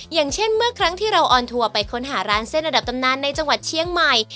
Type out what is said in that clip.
อย่างเช่นเมื่อครั้งที่เราออนทัวร์ไปค้นหาร้านเส้นระดับตำนานในจังหวัดเชียงใหม่